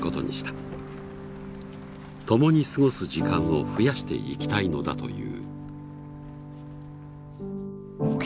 共に過ごす時間を増やしていきたいのだという。